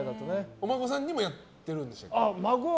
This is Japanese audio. お孫さんにもやってるんですか。